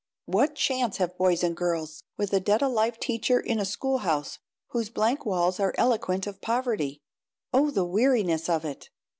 What chance have boys and girls with a dead alive teacher in a school house whose blank walls are eloquent of poverty? Oh, the weariness of it!